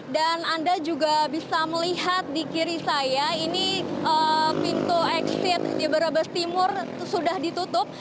dan anda juga bisa melihat di kiri saya ini pintu exit di berbes timur sudah ditutup